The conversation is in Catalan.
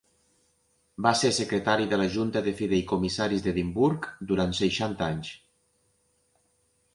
Va ser secretari de la Junta de Fideïcomissaris d'Edimburg durant seixanta anys.